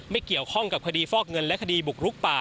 เกี่ยวข้องกับคดีฟอกเงินและคดีบุกรุกป่า